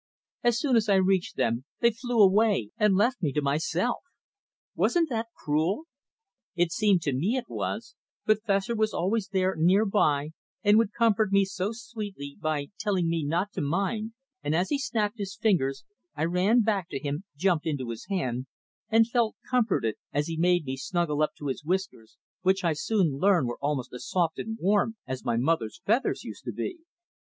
As soon as I reached them they flew away and left me to myself. Wasn't that cruel? It seemed to me it was, but Fessor was always there near by, and would comfort me so sweetly by telling me not to mind; and as he snapped his fingers, I ran back to him, jumped into his hand, and felt comforted as he made me snuggle up to his whiskers, which I soon learned were almost as soft and warm as my mother's feathers used to be.